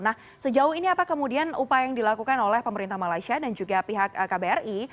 nah sejauh ini apa kemudian upaya yang dilakukan oleh pemerintah malaysia dan juga pihak kbri